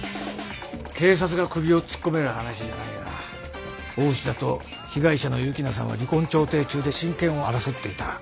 警察が首を突っ込める話じゃないが大内田と被害者の幸那さんは離婚調停中で親権を争っていた。